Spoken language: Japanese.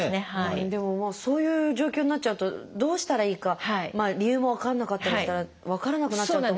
でもそういう状況になっちゃうとどうしたらいいか理由も分からなかったりしたら分からなくなっちゃうと思うんですけれども。